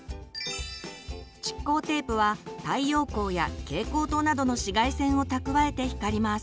蓄光テープは太陽光や蛍光灯などの紫外線を蓄えて光ります。